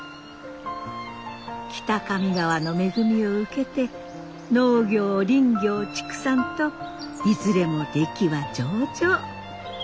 北上川の恵みを受けて農業林業畜産といずれも出来は上々。